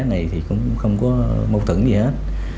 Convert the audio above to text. lệ thì không có mâu tưởng gì hết